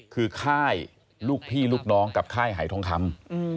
คือค่ายลูกพี่ลูกน้องกับค่ายหายทองคำ